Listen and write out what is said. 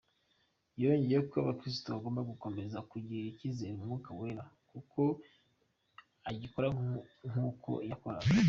Yongeyeho ko abakirisitu bagomba gukomeza kugirira icyizere umwuka wera, kuko agikora nk’uko yakoraga.